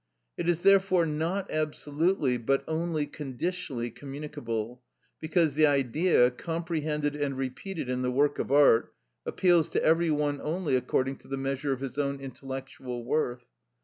It is therefore not absolutely but only conditionally communicable, because the Idea, comprehended and repeated in the work of art, appeals to every one only according to the measure of his own intellectual worth.